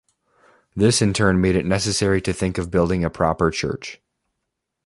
This in turn made it necessary to think of building a proper church.